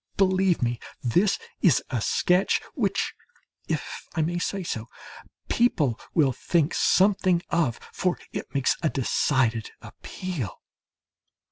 Believe me, this is a sketch which, if I may say so, people will think something of, for it makes a decided appeal.